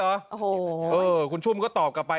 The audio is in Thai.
โอ้โหคุณชุมก็ตอบกลับไป